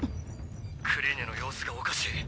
クリーネの様子がおかしい。